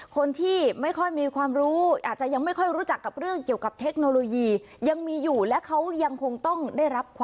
คนที่ไม่ค่อยมีความรู้อาจจะยังไม่ค่อยรู้จักกับเรื่องเกี่ยวกับเทคโนโลยี